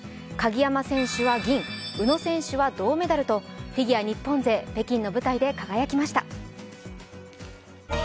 鍵山選手は銀、宇野選手は銅メダルと、フィギュア日本勢、北京の舞台で輝きました。